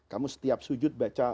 kamu setiap sujud baca